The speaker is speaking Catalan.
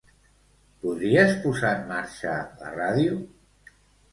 Podries posar en marxa la ràdio?